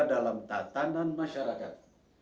dalam tatanan masyarakat